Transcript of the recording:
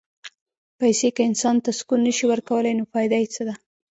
پېسې که انسان ته سکون نه شي ورکولی، نو فایده یې څه ده؟